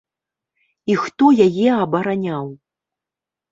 І хто яе абараняў?